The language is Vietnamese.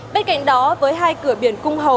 bên cạnh đó với hai cửa biển cung hợp